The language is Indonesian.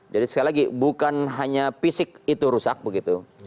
jadi sekali lagi bukan hanya fisik itu rusak begitu